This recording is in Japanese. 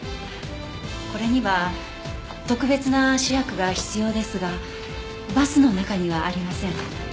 これには特別な試薬が必要ですがバスの中にはありません。